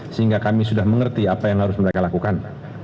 sehingga kami sudah mengerti apa yang harus mereka lakukan